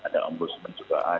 ada ombudsman juga ada